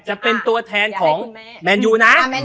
จะเป็นตัวแทนของแมนยูนะ